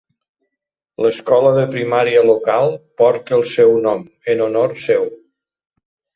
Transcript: L'escola de primària local porta el seu nom, en honor seu.